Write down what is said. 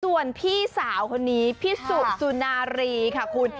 ส่วนพี่สาวคนนี้พี่สุสุนารีค่ะคุณ